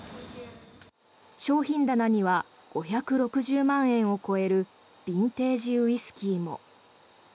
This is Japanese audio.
商品棚には５６０万円を超えるビンテージウイスキーも。